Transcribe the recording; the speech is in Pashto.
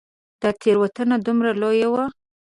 دا تېروتنه دومره لویه وه.